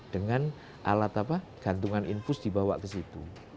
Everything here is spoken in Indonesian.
dengan alat apa gantungan infus dibawa ke situ